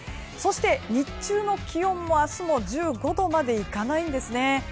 そして日中の気温も明日も１５度までいかないんですね。